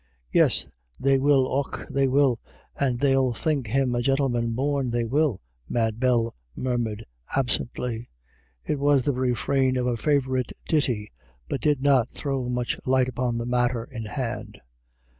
" Yis they will, och they will, and they'll think him a gintleman borrn, they will," Mad Bell mur mured absently. It was the refrain of a favourite ditty, but did not throw much light upon the matter in hand.